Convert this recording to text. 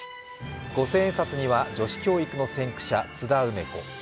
五千円札には女子教育の先駆者・津田梅子。